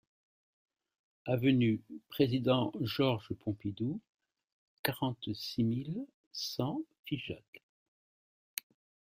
Avenue Président Georges Pompidou, quarante-six mille cent Figeac